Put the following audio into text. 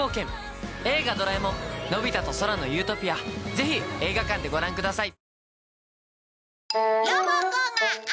ぜひ映画館でご覧ください。